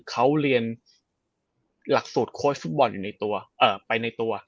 เขาเรียนหลักสูตรโค้ชฟุตบอลไปในตัว